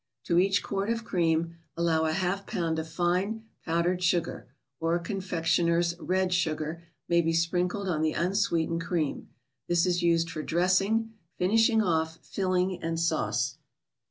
To each quart of cream allow a half pound of fine, powdered sugar; or confection¬ ers' " red " sugar may be sprinkled on the unsweetened cream. This is used for dressing, finishing off, filling and sauce.